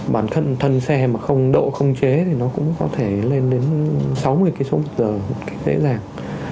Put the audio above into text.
bản thân xe mà không độ không chế thì nó cũng có thể lên đến sáu mươi kmh dễ dàng